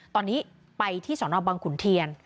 ตอนนี้ไปที่สนบังขุนเทียน